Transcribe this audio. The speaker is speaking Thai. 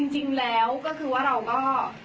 จริงแล้วก็คือว่าเราก็